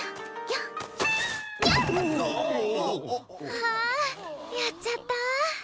あんやっちゃった。